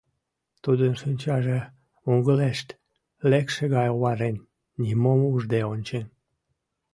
Тудын шинчаже мугылешт лекше гай оварен, нимом ужде ончен...